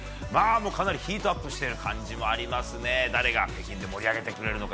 かなりヒートアップしている感じもありますが誰が北京で盛り上げてくれるのか